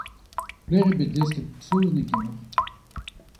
Pelec'h eo bet desket saozneg ganeoc'h ?